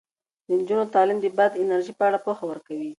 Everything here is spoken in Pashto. د نجونو تعلیم د باد د انرژۍ په اړه پوهه ورکوي.